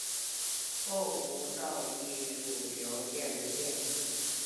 后吴兆毅署雄县知县。